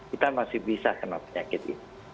kita masih bisa kena penyakit ini